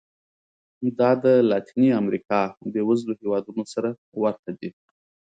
دا د لاتینې امریکا بېوزلو هېوادونو سره ورته دي.